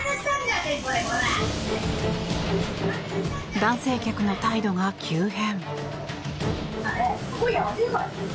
男性客の態度が急変。